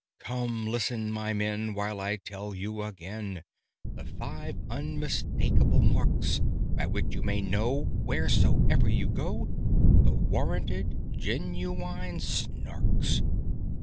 "Come, listen, my men, while I tell you again The five unmistakable marks By which you may know, wheresoever you go, The warranted genuine Snarks.